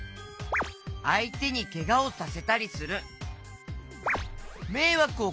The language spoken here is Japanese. あいてにけがをさせたりする！